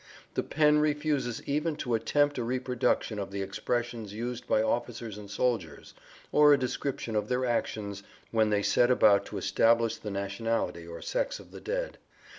The pen refuses even to attempt a reproduction of the expressions used by officers and soldiers or a description of their actions, when they set about to establish the nationality or sex of the dead.